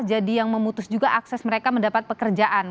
jadi yang memutus juga akses mereka mendapat pekerjaan